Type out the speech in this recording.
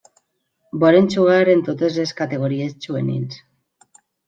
Va jugar en totes les categories juvenils.